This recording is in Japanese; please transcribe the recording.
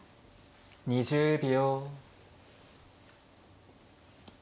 ２０秒。